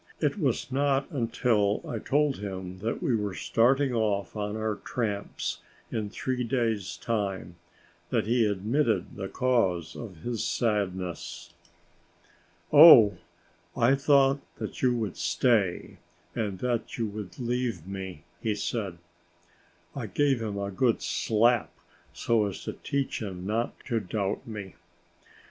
It was not until I told him that we were starting off on our tramps in three days' time, that he admitted the cause of his sadness. "Oh, I thought that you would stay and that you would leave me," he said. I gave him a good slap, so as to teach him not to doubt me.